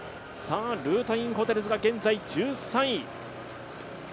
ルートインホテルズが現在１３位。